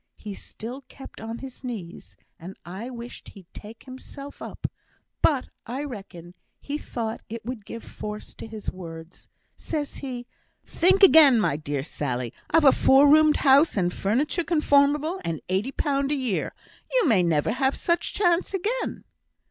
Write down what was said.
He still kept on his knees, and I wished he'd take himself up; but, I reckon, he thought it would give force to his words; says he, 'Think again, my dear Sally. I've a four roomed house, and furniture conformable; and eighty pound a year. You may never have such a chance again.'